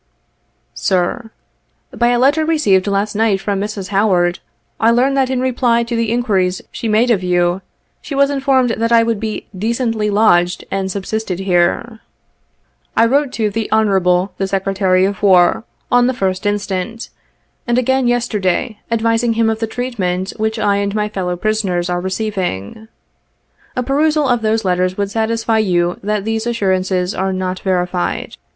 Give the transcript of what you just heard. "Sir: "By a letter received last night from Mrs. Howard, I learn that in reply to the inquiries she made of you, she was informed that I would be "decently lodged and subsisted here." I wrote to the Hon. the Secretary of War, on the 1st inst., and again yesterday, advising him of the treatment which I and my fellow prisoners are receiving. A perusal of those letters would satisfy you that these assurances are not verified.